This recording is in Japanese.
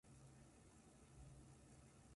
困っています。